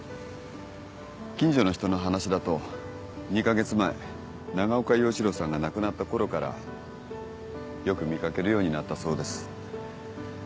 近所の人の話だと２カ月前長岡洋一郎さんが亡くなったころからよく見掛けるようになったそうです。